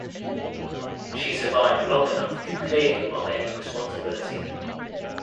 She survived long enough to clear him of any responsibility.